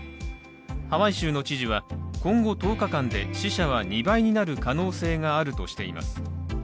ハワイ州の知事は今後１０日間で死者は２倍になる可能性があるとしています。